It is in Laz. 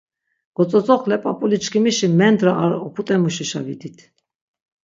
Gotzotzoxle p̆ap̆uliçkimişi mendra ar op̆ut̆emuşişa vidit.